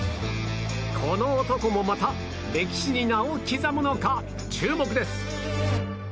この男もまた歴史に名を刻むのか注目です。